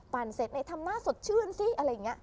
เสร็จทำหน้าสดชื่นสิอะไรอย่างนี้